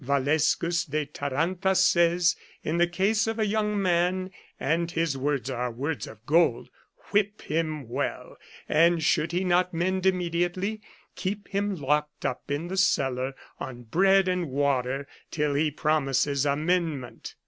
Valescus de Taranta says, in the case of a young man — and his words are words of gold —" Whip him well, and should he not mend immediately, keep him locked up in the cellar on bread and water till he promises amendment."